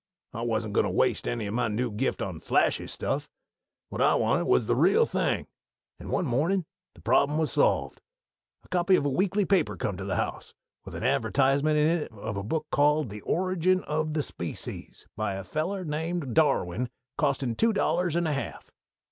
I wasn't goin' to waste any of my new gift on flashy stuff. What I wanted was the real thing, and one mornin' the problem was solved. A copy of a weekly paper come to the house, with an advertisement in it of a book called 'The Origin of the Species,' by a feller named Darwin, costin' two dollars and a half.